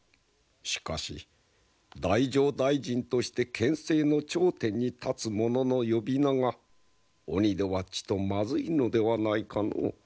しかし太政大臣として権勢の頂点に立つ者の呼び名が鬼ではちとまずいのではないかのう。